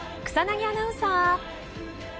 草薙アナウンサー！